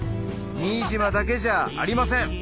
新島だけじゃありません